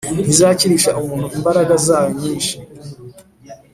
Ntizakirisha umuntu imbaraga zayo nyinshi